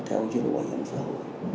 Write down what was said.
theo cái chế độ bỏ dụng sâu